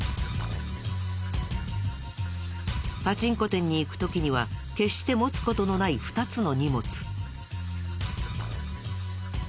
パチンコ店に行く時には決して持つ事のない２つの荷物。